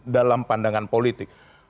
dalam pandangan politik